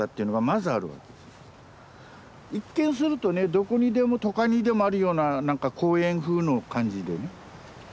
一見するとねどこにでも都会にでもあるようななんか公園風の感じでね。